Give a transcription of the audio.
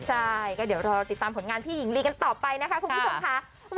ใช่ก็เดี๋ยวรอติดตามผลงานพี่หญิงลีกันต่อไปนะคะคุณผู้ชมค่ะ